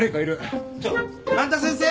ちょっ半田先生！